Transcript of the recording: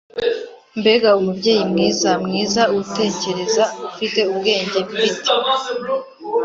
mbega umubyeyi mwiza, mwiza, utekereza, ufite ubwenge mfite,